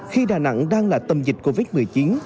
khi đà nẵng đang là tâm dịch covid một mươi chín